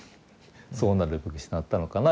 そうなるべくしてなったのかな